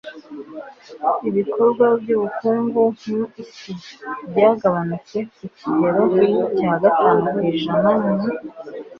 ibikorwa by' ubukungu mu isi byagabanutse ku kigero cya gatanu kw'ijana mu